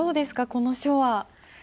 この書は。